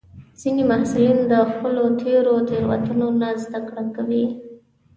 ځینې محصلین د خپلو تېرو تېروتنو نه زده کړه کوي.